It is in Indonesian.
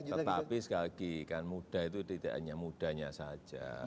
tetapi sekali lagi kan muda itu tidak hanya mudanya saja